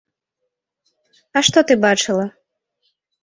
А што ты бачыла?